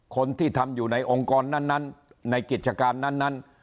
คนที่ทำอยู่ในองค์กรนั้นในกิจการนั้น